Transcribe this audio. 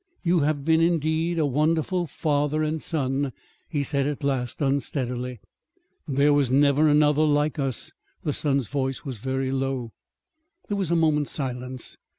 "You have been, indeed, a wonderful father and son," he said at last unsteadily. "There was never another like us." The son's voice was very low. There was a moment's silence.